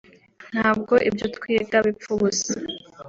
ntabwo ibyo twiga bipfa ubusa